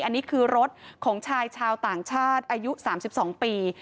อันนี้คือรถของชายชาวต่างชาติอายุสามสิบสองปี